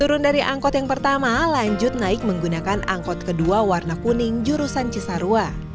turun dari angkot yang pertama lanjut naik menggunakan angkot kedua warna kuning jurusan cisarua